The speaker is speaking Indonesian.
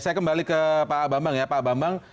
saya kembali ke pak abambang ya pak abambang